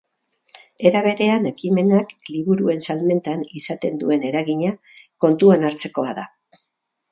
Era berean, ekimenak liburuen salmentan izaten duen eragina kontuan hartzekoa da.